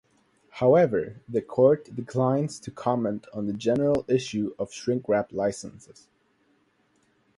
However, the court declines to comment on the general issue of shrinkwrap licenses.